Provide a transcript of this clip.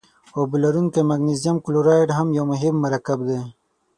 اوبه لرونکی مګنیزیم کلورایډ هم یو مهم مرکب دی.